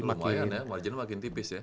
marginnya makin tipis ya